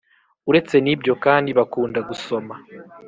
Uretse n’ibyo kandi bakunda gusoma